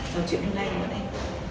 chương trình hôm nay